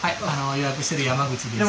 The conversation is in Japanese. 予約してる山口です。